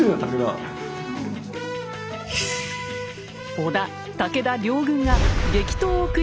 織田武田両軍が激闘を繰り広げた戦場。